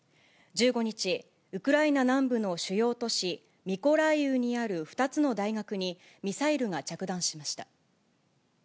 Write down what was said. １５日、ウクライナ南部の主要都市、ミコライウにある２つの大学にミサイルが着弾しました。